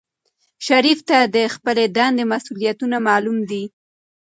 شریف ته د خپلې دندې مسؤولیتونه معلوم دي.